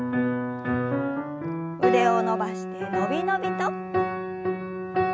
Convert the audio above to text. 腕を伸ばしてのびのびと。